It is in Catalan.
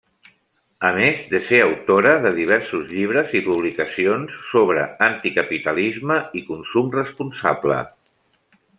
A més de ser autora de diversos llibres i publicacions sobre anticapitalisme i consum responsable.